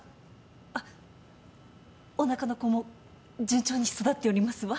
あっおなかの子も順調に育っておりますわ。